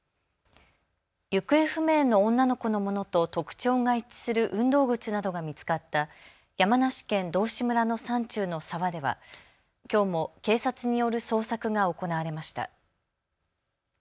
行方不明の女の子のものと特徴が一致する運動靴などが見つかった山梨県道志村の山中の沢ではきょうも警察による捜索が行われました。